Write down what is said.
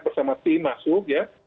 bersama tim masuk ya